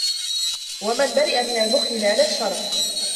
وَمَنْ بَرِئَ مِنْ الْبُخْلِ نَالَ الشَّرَفَ